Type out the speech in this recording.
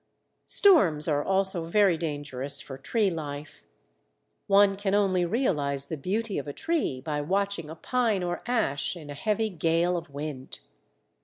Storms are also very dangerous for tree life. One can only realize the beauty of a tree by watching a pine or ash in a heavy gale of wind.